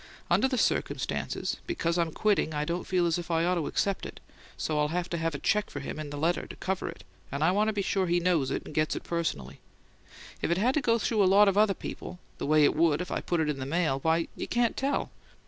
Under the circumstances, because I'm quitting, I don't feel as if I ought to accept it, and so I'll have a check for him in the letter to cover it, and I want to be sure he knows it, and gets it personally. If it had to go through a lot of other people, the way it would if I put it in the mail, why, you can't tell.